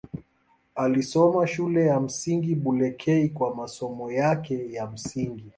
Alisoma Shule ya Msingi Bulekei kwa masomo yake ya msingi.